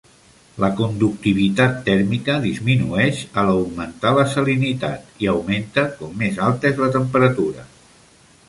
La conductivitat tèrmica disminueix a l'augmentar la salinitat i augmenta com més alta és la temperatura.